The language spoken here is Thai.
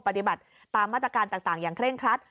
ปฏิบัติตามมาตรการต่างอย่างเคร่งครัด